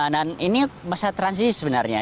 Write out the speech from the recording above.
nah ini masa transisi sebenarnya